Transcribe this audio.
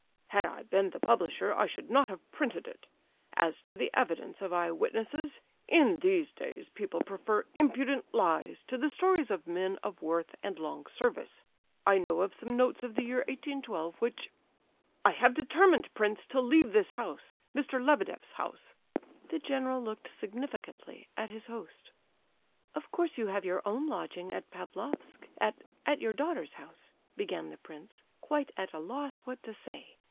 "Had I been the publisher I should not have printed it. As to the evidence of eye witnesses, in these days people prefer impudent lies to the stories of men of worth and long service. I know of some notes of the year 1812, which—I have determined, prince, to leave this house, Mr. Lebedeff's house." The general looked significantly at his host. "Of course you have your own lodging at Pavlofsk at—at your daughter's house," began the prince, quite at a loss what to say.